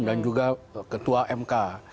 dan juga ketua mk